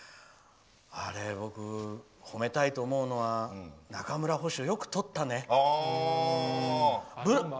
あれ僕、褒めたいと思うのは中村捕手、よくとったね。